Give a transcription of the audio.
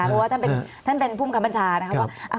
เพราะว่าท่านเป็นภูมิคับบัญชานะครับว่า